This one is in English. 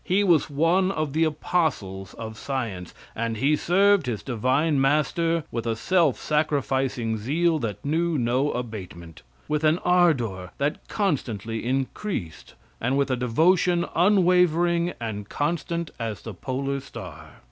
He was one of the apostles of science, and he served his divine master with a self sacrificing zeal that knew no abatement with an ardor that constantly increased, and with a devotion unwavering and constant as the polar star.